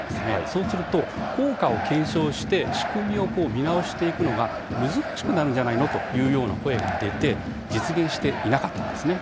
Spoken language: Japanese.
そうすると効果を検証して仕組みを見直していくのが難しくなるんじゃないの？という声が出て実現していなかったんです。